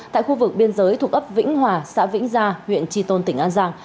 tại khu vực biên giới thuộc ấp vĩnh hòa xã vĩnh gia huyện tri tôn tỉnh an giang